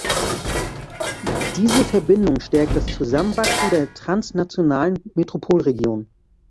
Diese Verbindung stärkt das Zusammenwachsen der transnationalen Metropolregion.